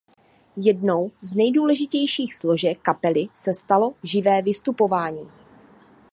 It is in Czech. Jednou z nejdůležitějších složek kapely se stalo živé vystupování.